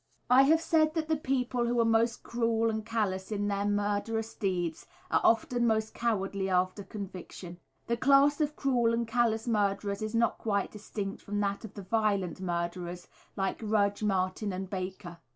_ I have said that the people who are most cruel and callous in their murderous deeds are often most cowardly after conviction. The class of cruel and callous murderers is quite distinct from that of the violent murderers, like Rudge, Martin and Baker.